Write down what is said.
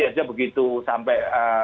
aja begitu sampai